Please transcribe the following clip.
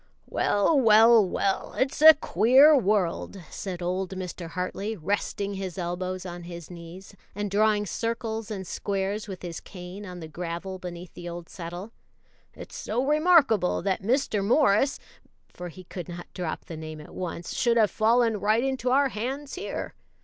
"Well, well, well, it's a queer world," said old Mr. Hartley, resting his elbows on his knees, and drawing circles and squares with his cane on the gravel beneath the old settle "it's so remarkable that Mr. Morris (for he could not drop the name at once) should have fallen right into our hands here.